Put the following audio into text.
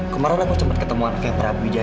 kemarin aku sempet ketemu naga prabu wijaya